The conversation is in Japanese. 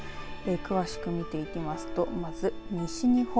詳しく見ていきますとまず西日本。